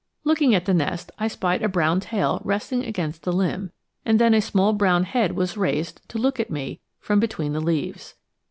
Looking at the nest, I spied a brown tail resting against the limb, and then a small brown head was raised to look at me from between the leaves.